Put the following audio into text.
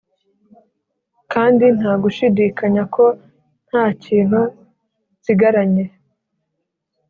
kandi ntagushidikanya ko ntakintu nsigaranye